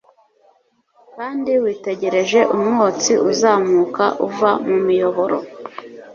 Kandi witegereje umwotsi uzamuka uva mu miyoboro